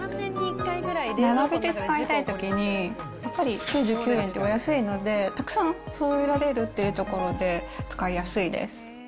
並べて使いたいときに、やっぱり９９円と安いので、たくさんそろえられるっていうところで、使いやすいです。